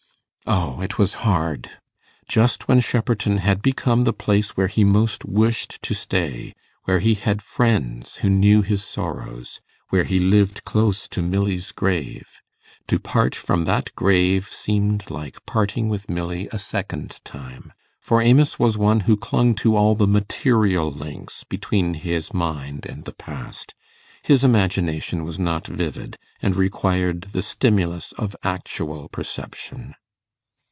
O, it was hard! Just when Shepperton had become the place where he most wished to stay where he had friends who knew his sorrows where he lived close to Milly's grave. To part from that grave seemed like parting with Milly a second time; for Amos was one who clung to all the material links between his mind and the past. His imagination was not vivid, and required the stimulus of actual perception.